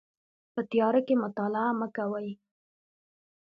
په تیاره کې مطالعه مه کوئ